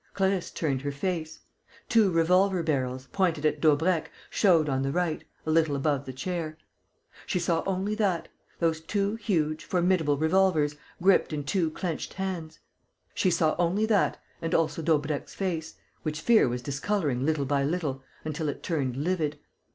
Clarisse turned her face. Two revolver barrels, pointed at Daubrecq, showed on the right, a little above the chair. She saw only that: those two huge, formidable revolvers, gripped in two clenched hands. She saw only that and also Daubrecq's face, which fear was discolouring little by little, until it turned livid.